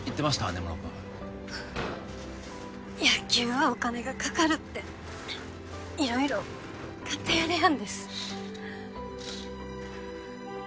根室くん野球はお金がかかるって色々買ってやれやんです